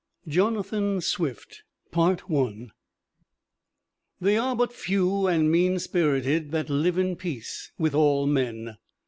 JONATHAN SWIFT They are but few and meanspirited that live in peace with all men.